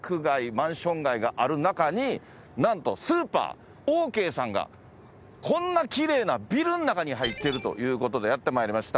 マンション街がある中に何とスーパーオーケーさんがこんな奇麗なビルの中に入ってるということでやってまいりました。